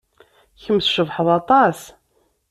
Kemm tcebḥed aṭas.